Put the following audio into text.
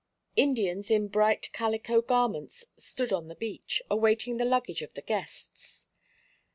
Indians in bright calico garments stood on the beach, awaiting the luggage of the guests.